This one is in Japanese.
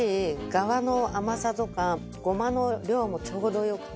がわの甘さとかゴマの量もちょうどよくて。